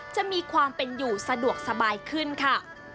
จะมีความเป็นอยู่สะดวกสบายขึ้นค่ะ